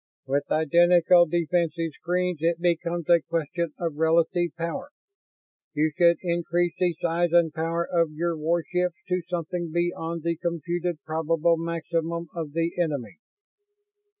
"With identical defensive screens it becomes a question of relative power. You should increase the size and power of your warships to something beyond the computed probable maximum of the enemy.